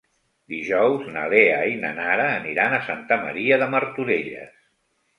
Dijous na Lea i na Nara aniran a Santa Maria de Martorelles.